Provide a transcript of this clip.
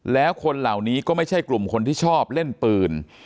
แล้วคนเหล่านี้ก็ไม่ใช่กลุ่มคนที่ชอบเล่นปืน